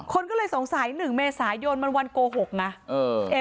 คนก็เลยสงสัย๑เมษายนมันวันโกหกไง